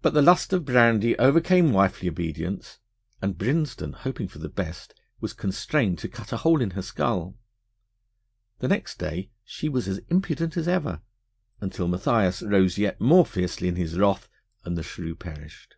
But the lust of brandy overcame wifely obedience, and Brinsden, hoping for the best, was constrained to cut a hole in her skull. The next day she was as impudent as ever, until Matthias rose yet more fiercely in his wrath, and the shrew perished.